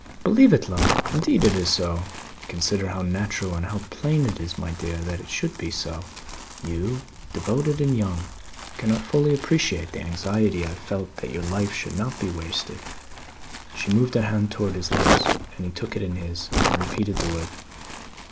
"Believe it, love! Indeed it is so. Consider how natural and how plain it is, my dear, that it should be so. You, devoted and young, cannot fully appreciate the anxiety I have felt that your life should not be wasted " She moved her hand towards his lips, but he took it in his, and repeated the word.